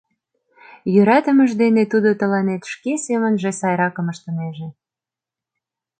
Йӧратымыж дене тудо тыланет шке семынже сайракым ыштынеже.